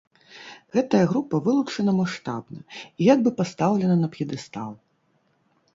Гэтая група вылучана маштабна і як бы пастаўлена на п'едэстал.